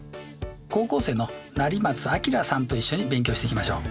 高校生の成松亮さんと一緒に勉強していきましょう。